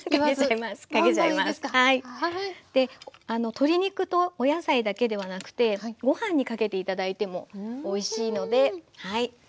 鶏肉とお野菜だけではなくてご飯にかけて頂いてもおいしいのではいいかがでしょうか。